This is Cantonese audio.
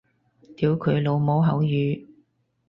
屌佢老母口語